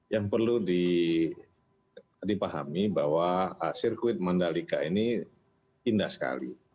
yang perlu dipahami bahwa sirkuit mandalika ini indah sekali